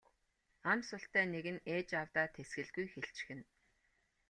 Ам султай нэг нь ээж аавдаа тэсгэлгүй хэлчихнэ.